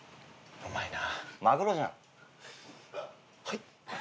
うまいな。